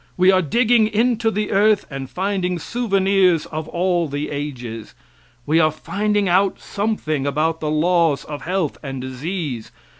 We are digging into the earth and finding souvenirs of all the ages. We are finding out something about the laws of health and disease.